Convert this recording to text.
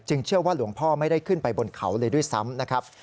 เชื่อว่าหลวงพ่อไม่ได้ขึ้นไปบนเขาเลยด้วยซ้ำนะครับ